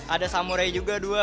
ada samurai juga dua